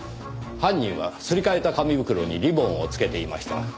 犯人はすり替えた紙袋にリボンを付けていました。